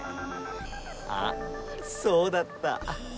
あっそうだった。